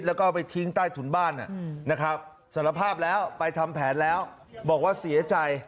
แล้วก็เอาไปทิ้งใต้ถุนบ้านนะครับสารภาพแล้วไปทำแผนแล้วบอกว่าเสียใจ